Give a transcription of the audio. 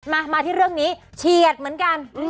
มามาที่เรื่องนี้เฉียดเหมือนกัน